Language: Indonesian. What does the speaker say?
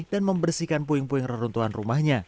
dan membersihkan puing puing reruntuhan rumahnya